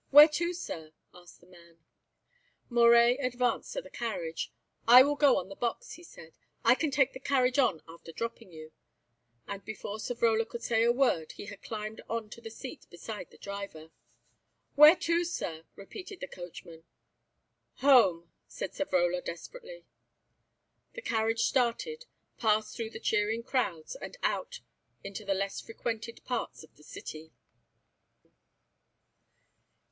"Where to, Sir?" asked the man. Moret advanced to the carriage. "I will go on the box," he said. "I can take the carriage on after dropping you," and before Savrola could say a word he had climbed on to the seat beside the driver. "Where to, Sir?" repeated the coachman. "Home," said Savrola desperately. The carriage started, passed through the cheering crowds, and out into the less frequented parts of the city.